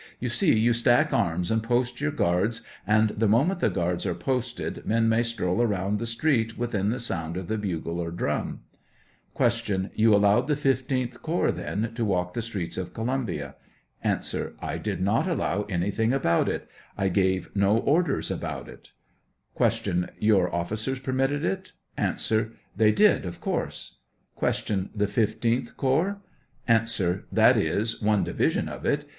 You see, you stack arms and post your guards, and the moment the guards are posted, men may stroll around the street within the sound of the bugle or drum. Q. Tou allowed the 15th corps, then, to walk the streets of Columbia ? A. I did not allow anything about it ; I gave no or ders about it. Q. Your officers permitted it ? A. They did, of course. Q. The 15th corps ? A. That is, one division of it.